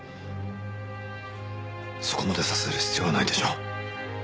そこまでさせる必要はないでしょう。